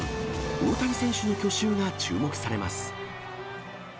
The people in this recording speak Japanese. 大谷選手の去就が注目されます。